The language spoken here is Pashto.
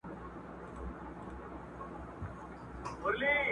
ډېر دي له لمني او ګرېوانه اور اخیستی دی؛